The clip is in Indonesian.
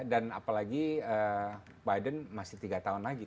dan apalagi biden masih tiga tahun lagi